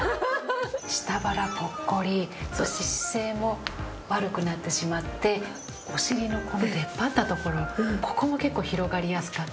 下腹ポッコリそして姿勢も悪くなってしまってお尻のこの出っ張ったところここも結構広がりやすかったり。